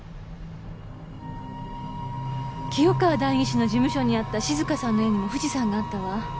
清川代議士の事務所にあった静香さんの絵にも富士山があったわ。